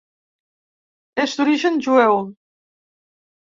És d'origen jueu.